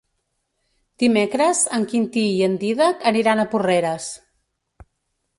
Dimecres en Quintí i en Dídac aniran a Porreres.